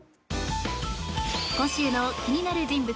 今週の気になる人物